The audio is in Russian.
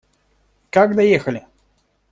Как доехали?